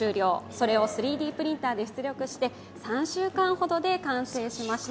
それを３Ｄプリンターで出力して３週間ほどで完成しました。